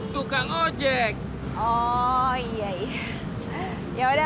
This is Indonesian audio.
makasih ya bang udin